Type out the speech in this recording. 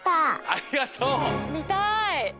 ありがとう！みたい。